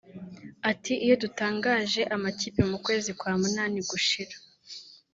Ati “Iyo dutangaje amakipe mu kwezi kwa munani gushira